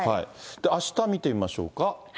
あした見てみましょうか。